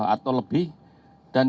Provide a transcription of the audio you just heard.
atau lebih dan